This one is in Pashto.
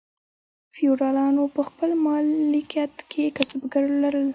فیوډالانو په خپل مالکیت کې کسبګر لرل.